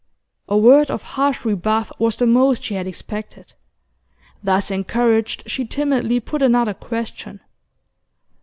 A word of harsh rebuff was the most she had expected. Thus encouraged, she timidly put another question.